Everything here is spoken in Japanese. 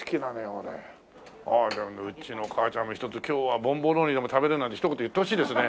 ああじゃあうちの母ちゃんも一つ今日はボンボローニでも食べる？なんてひと言言ってほしいですね。